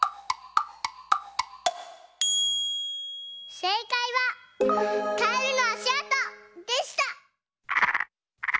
せいかいは「カエルのあしあと」でした！